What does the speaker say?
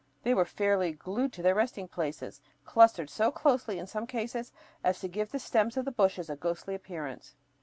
They were fairly "glued to their resting places"; clustered so closely in some cases as to give the stems of the bushes a ghostly appearance.